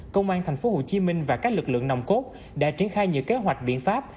công an tp hcm và các lực lượng nồng cốt đã triển khai nhiều kế hoạch biện pháp